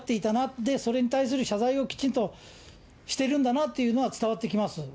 で、それに対する謝罪をきちんとしてるんだなっていうのは伝わってきます。